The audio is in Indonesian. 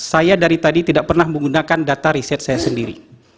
saya dari tadi tidak pernah menggunakan data riset saya sendiri